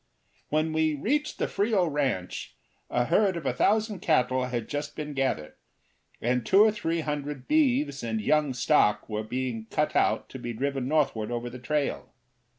When we reached the Frio ranch a herd of a thousand cattle had just been gathered, and two or three hundred beeves and young stock were being cut out to be driven northward over the trail.